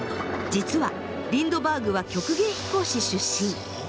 実はリンドバーグは曲芸飛行士出身。